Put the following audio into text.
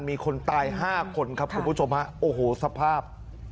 มีคนตาย๕คนครับคุณผู้ชมฮะโอ้โหสภาพ